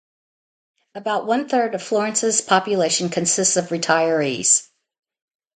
About one-third of Florence's population consists of retirees.